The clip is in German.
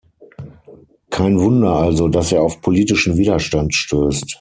Kein Wunder also, dass er auf politischen Widerstand stößt.